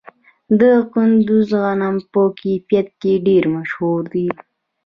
د کندز غنم په کیفیت کې ډیر مشهور دي.